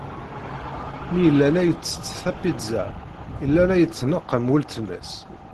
Mi yella la ittett tapizza, yella la yettnaqam weltma-s.